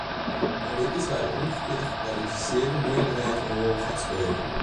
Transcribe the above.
En dit is waar de omgekeerde gekwalificeerde meerderheid een rol gaat spelen.